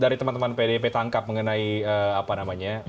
dari teman teman pdp tangkap mengenai apa namanya